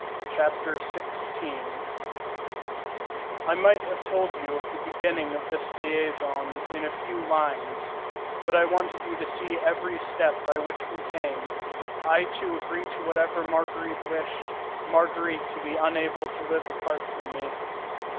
Chapter XVI I might have told you of the beginning of this liaison in a few lines, but I wanted you to see every step by which we came, I to agree to whatever Marguerite wished, Marguerite to be unable to live apart from me.